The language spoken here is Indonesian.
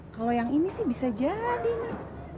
kalau yang ini sih bisa jadi nih